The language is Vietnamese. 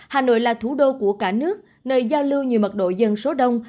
hà nội là thủ đô của cả nước nơi giao lưu nhiều mật độ dân số đông